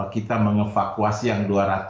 kita mengevakuasi yang